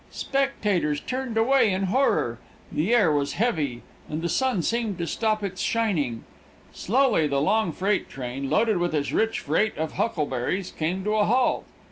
Spectators turned away in horror. The air was heavy, and the sun seemed to stop its shining. Slowly the long freight train, loaded with its rich freight of huckleberries, came to a halt.